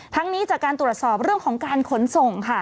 นี้จากการตรวจสอบเรื่องของการขนส่งค่ะ